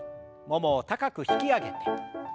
ももを高く引き上げて。